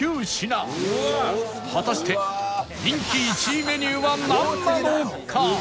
果たして人気１位メニューはなんなのか？